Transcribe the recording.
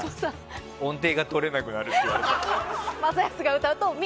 音程が取れなくなるって言われて。